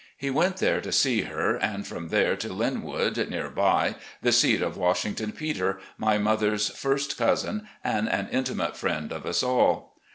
He went there to see her, and from there to " Lyn wood," near by, the seat of Washington Peter, my mother's first cousin and an intimate friend of us all.